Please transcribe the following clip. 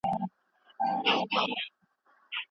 تاسو ته اجازه شته چې له دې اوبو استفاده وکړئ.